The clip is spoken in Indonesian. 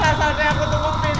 rasanya aku tuh mempimpin